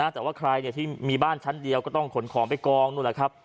แต่ว่าใครที่มีบ้านชั้นเดียวก็ต้องขนของไปกองนู่นแหละครับ